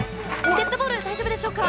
デッドボール大丈夫でしょうか？